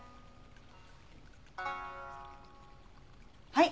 はい。